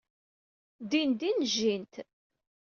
Dindin jjint.